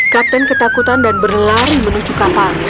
kapten ketakutan dan berlari menuju kapal